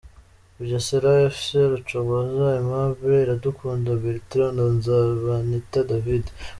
Bugesera Fc: Rucogoza Aimable, Iradukunda Bertrand na Nzabanita David.